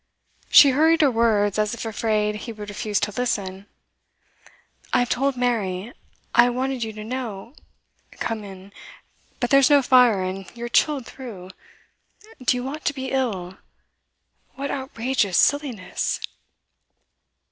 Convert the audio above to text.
She hurried her words, as if afraid he would refuse to listen. 'I have told Mary I wanted you to know ' 'Come in. But there's no fire, and you're chilled through. Do you want to be ill? What outrageous silliness!